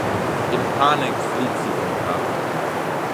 In Panik flieht sie vom Tatort.